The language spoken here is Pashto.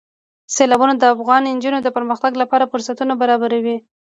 سیلابونه د افغان نجونو د پرمختګ لپاره فرصتونه برابروي.